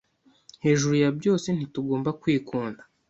Hejuru ya byose, ntitugomba kwikunda.